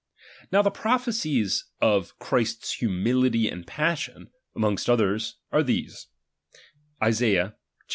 Now the prophecies of Christ's humility '^"^^^^hZis _jiassion, amongst others are these : (Isaiah liii.